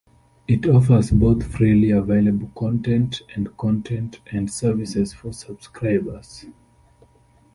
It offers both freely available content and content and services for subscribers.